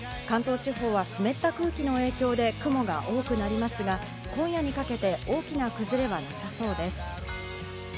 関東地方は湿った空気の影響で雲が多くなりますが、今夜にかけて大きな崩れはなさそうです。